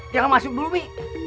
jangan masuk dulu umi